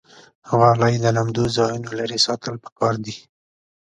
غالۍ له لمدو ځایونو لرې ساتل پکار دي.